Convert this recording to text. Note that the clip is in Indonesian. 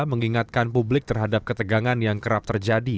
mengingatkan publik terhadap ketegangan yang kerap terjadi